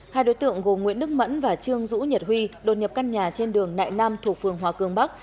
hai đối tượng gồm nguyễn đức mẫn và trương dũ nhật huy đột nhập căn nhà trên đường nại nam thuộc phường hòa cương bắc